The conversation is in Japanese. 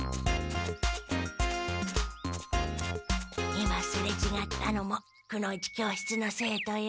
今すれちがったのもくの一教室の生徒よ。